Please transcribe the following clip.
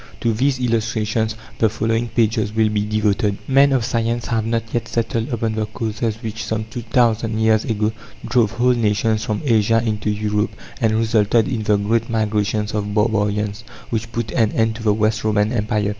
To these illustrations the following pages will be devoted. Men of science have not yet settled upon the causes which some two thousand years ago drove whole nations from Asia into Europe and resulted in the great migrations of barbarians which put an end to the West Roman Empire.